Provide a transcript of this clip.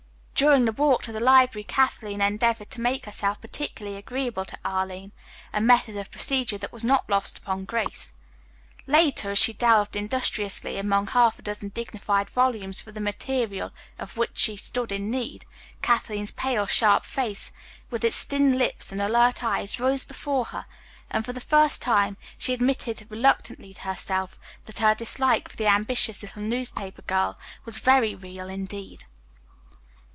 During the walk to the library Kathleen endeavored to make herself particularly agreeable to Arline, a method of procedure that was not lost upon Grace. Later as she delved industriously among half a dozen dignified volumes for the material of which she stood in need, Kathleen's pale, sharp face, with its thin lips and alert eyes, rose before her, and, for the first time, she admitted reluctantly to herself that her dislike for the ambitious little newspaper girl was very real indeed.